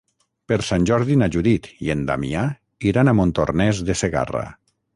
Per Sant Jordi na Judit i en Damià iran a Montornès de Segarra.